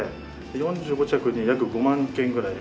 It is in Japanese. で４５着に約５万件ぐらい。